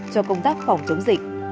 cho công tác phòng chống dịch